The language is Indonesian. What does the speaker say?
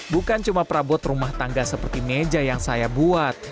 bukan cuma perabot rumah tangga seperti meja yang saya buat